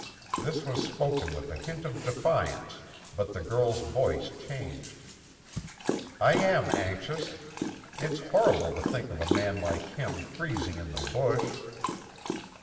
This was spoken with a hint of defiance, but the girl's voice changed. "I am anxious. It's horrible to think of a man like him freezing in the bush."